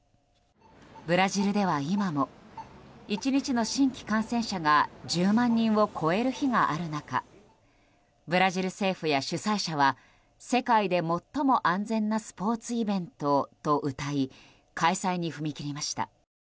ブラジルでは今も１日の新規感染者が１０万人を超える日がある中ブラジル政府や主催者は世界で最も安全なスポーツイベントとうたい開催に踏み切りました。